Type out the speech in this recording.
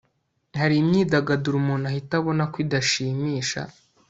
hari imyidagaduro umuntu ahita abona ko idashimisha